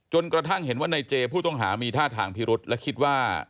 กระทั่งเห็นว่าในเจผู้ต้องหามีท่าทางพิรุษและคิดว่า